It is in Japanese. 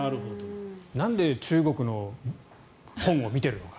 なんで中国の本を見ているのか。